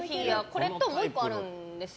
これともう１個あるんですよ。